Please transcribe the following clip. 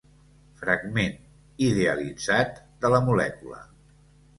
Fragment, idealitzat, de la molècula.